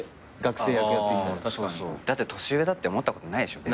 だって年上だって思ったことないでしょ？